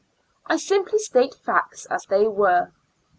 I simply state facts as they were.